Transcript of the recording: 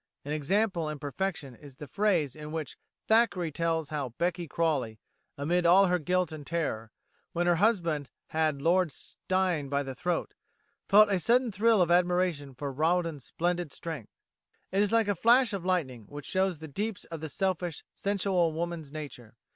An example in perfection is the phrase in which Thackeray tells how Becky Crawley, amid all her guilt and terror, when her husband had Lord Steyne by the throat, felt a sudden thrill of admiration for Rawdon's splendid strength. It is like a flash of lightning which shows the deeps of the selfish, sensual woman's nature.